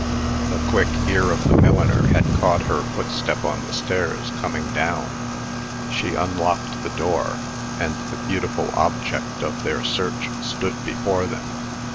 The quick ear of the milliner had caught her footstep on the stairs, coming down. She unlocked the door, and the beautiful object of their search stood before them.